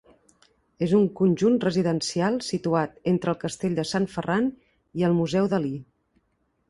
És un conjunt residencial situat entre el castell de Sant Ferran i el Museu Dalí.